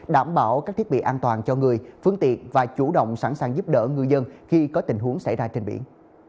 đảm bảo các thiết bị an toàn cho người phương tiện và chủ động sẵn sàng giúp đỡ ngư dân khi có tình huống xảy ra trên biển